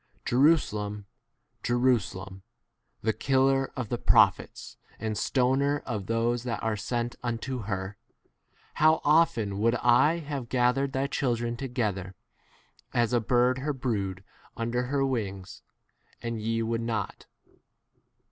Jerusa lem, Jerusalem, the killer of the prophets and stoner of those that are sent unto her, how often would I have gathered thy children to gether, as a bird her brood under 35 her wings, and ye would not.